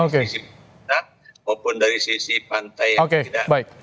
dari sisi maupun dari sisi pantai yang tidak